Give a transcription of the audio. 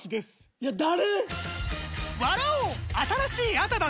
いや誰‼